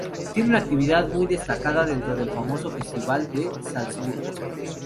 Tiene una actividad muy destacada dentro del famoso Festival de Salzburgo.